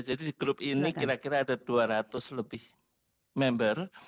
jadi grup ini kira kira ada dua ratus lebih member